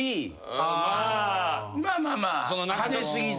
まあまあまあ派手過ぎず。